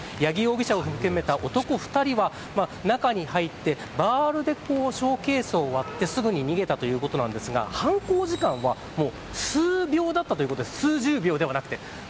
八木容疑者を含めた男２人が中に入ってバールでショーケースを割ってすぐに逃げたということなんですが犯行時間は数秒だったということで数十秒ではなくて。